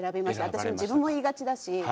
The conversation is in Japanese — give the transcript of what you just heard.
私も自分も言いがちだし。